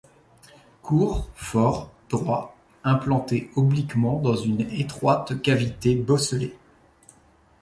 Court, fort, droit, implanté obliquement dans une étroite cavité bosselée.